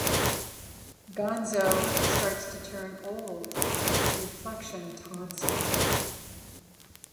Gonzo starts to turn old as his reflection taunts him.